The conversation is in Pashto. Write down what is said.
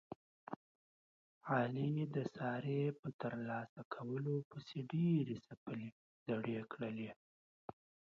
علي د سارې په ترلاسه کولو پسې ډېرې څپلۍ زړې کړلې.